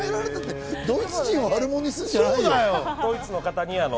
ドイツ人を悪者にするんじゃないよ。